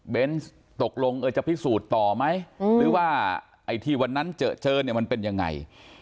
ตกลงเออจะพิสูจน์ต่อไหมหรือว่าไอ้ที่วันนั้นเจอเนี่ยมันเป็นยังไง